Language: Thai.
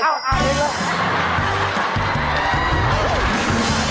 แผง